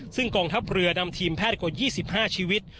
ซึ่งกองทัพเรือนำทีมแพทย์กว่า๒๕ชีวิต